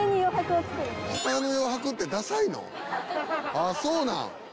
あぁそうなん？